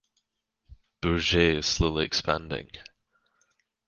Bourget is slowly expanding.